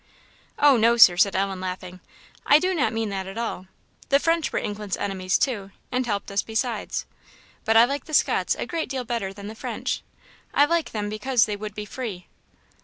"Oh no, Sir," said Ellen, laughing, "I do not mean that at all; the French were England's enemies too, and helped us besides; but I like the Scots a great deal better than the French. I like them because they would be free."